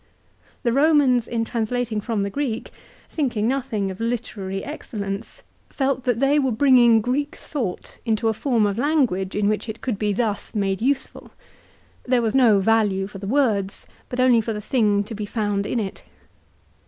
The Romans in translating from the Greek, thinking nothing of literary excellence, felt that they were bringing Greek VOL. II. X 306 LIFE OF CICERO. thought into a form of language in which it could be thus made useful. There was no value for the words, but only for the thing to be found in it.